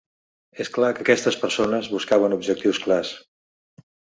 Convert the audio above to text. És clar que aquestes persones buscaven objectius clars.